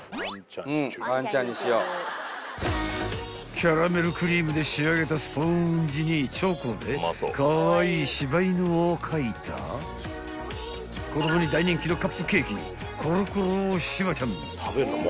［キャラメルクリームで仕上げたスポンジにチョコでカワイイ柴犬を描いた子供に大人気のカップケーキ］